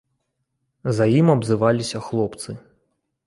За ім абзываліся хлопцы.